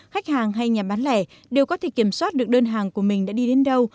khách hàng hay nhà bán lẻ đều có thể kiểm soát được đơn hàng của mình đã đi đến đâu